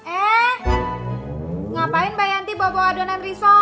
eh ngapain mbak yanti bawa bawa adonan riso